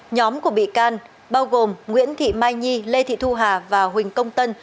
nhóm của bị can bao gồm nguyễn thị mai nhi lê thị thu hà và huỳnh công tân